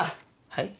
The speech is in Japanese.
はい？